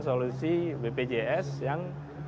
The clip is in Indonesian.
solusi bpjs yang